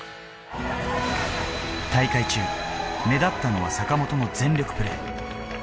大会中、目立ったのは坂本の全力プレー。